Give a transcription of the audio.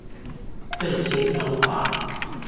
振興中華